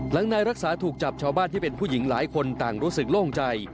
หลังนายรักษาถูกจับชาวบ้านที่เป็นผู้หญิงหลายคนต่างรู้สึกโล่งใจ